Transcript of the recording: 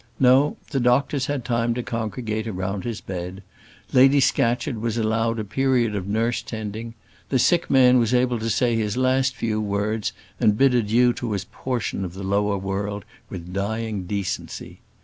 No; the doctors had time to congregate around his bed; Lady Scatcherd was allowed a period of nurse tending; the sick man was able to say his last few words and bid adieu to his portion of the lower world with dying decency.